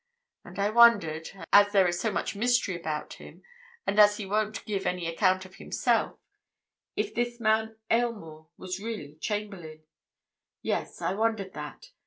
And I wondered, as there is so much mystery about him, and as he won't give any account of himself, if this man Aylmore was really Chamberlayne. Yes, I wondered that!